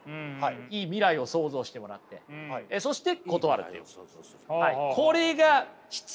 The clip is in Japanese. いい未来を想像してもらってそして断るという。